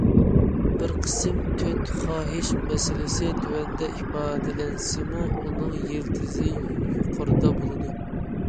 بىر قىسىم« تۆت خاھىش» مەسىلىسى تۆۋەندە ئىپادىلەنسىمۇ، ئۇنىڭ يىلتىزى يۇقىرىدا بولىدۇ.